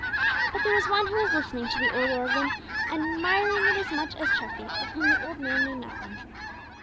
But there was one who was listening to the old organ, and admiring it as much as Treffy, of whom the old man knew nothing.